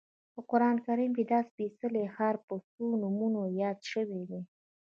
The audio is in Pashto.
په قران کریم کې دا سپېڅلی ښار په څو نومونو یاد شوی دی.